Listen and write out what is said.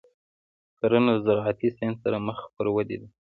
کرنه د زراعتي ساینس سره مخ پر ودې ده.